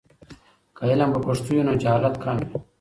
که علم په پښتو وي، نو جهالت کم وي.